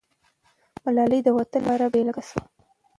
ملالۍ د وطن دپاره بېلګه سوه.